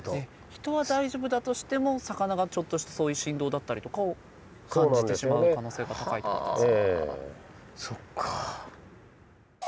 人は大丈夫だとしても魚がちょっとしたそういう振動だったりとかを感じてしまう可能性が高いってことですか。